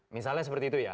misalnya seperti itu ya